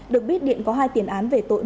được biết điện có hai tiền án về tội